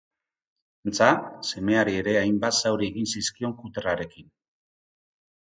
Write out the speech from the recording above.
Antza, semeari ere hainbat zauri egin zizkion kuterrarekin.